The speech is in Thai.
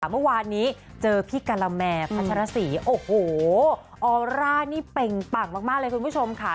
เมื่อวานนี้เจอพี่กะละแม่พัชรสีโอ้โหออร่านี่เป่งปังมากเลยคุณผู้ชมค่ะ